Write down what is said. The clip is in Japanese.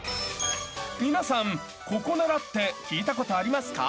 ［皆さんココナラって聞いたことありますか？］